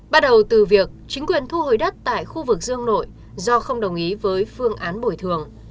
bắt đầu từ việc chính quyền thu hồi đất tại khu vực dương nội do không đồng ý với phương án bồi thường